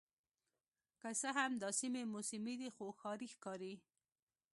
که څه هم دا سیمې موسمي دي خو ښاري ښکاري